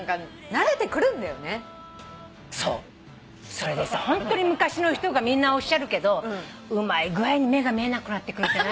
それでさホントに昔の人がみんなおっしゃるけどうまい具合に目が見えなくなってくるじゃない。